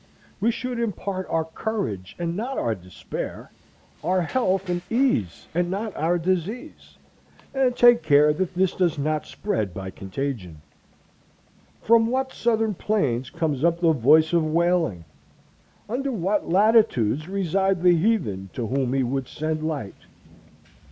We should impart our courage, and not our despair, our health and ease, and not our disease, and take care that this does not spread by contagion. From what southern plains comes up the voice of wailing? Under what latitudes reside the heathen to whom we would send light?